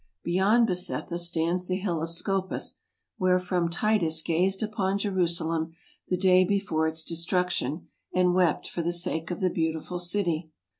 Beyond Bezetha stands the Hill of Scopas, wherefrom Titus gazed upon Jerusalem the day before its destruction, and wept for the sake of the beautiful city.